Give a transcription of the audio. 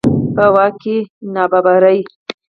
په واک کې نابرابري.